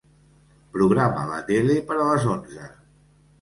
Programa la tele per a les onze.